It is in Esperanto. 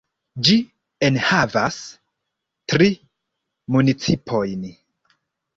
Ĝi enhavas tri municipojn.